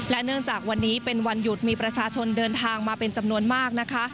เนื่องจากวันนี้เป็นวันหยุดมีประชาชนเดินทางมาเป็นจำนวนมากนะคะ